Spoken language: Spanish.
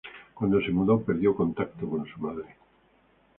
Cuando se mudó perdió contacto con su madre.